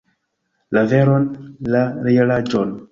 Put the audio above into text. La veron, la realaĵon!